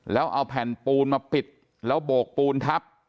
แล้วเอาแผ่นปูนมาปิดแล้วโบกปูนทับ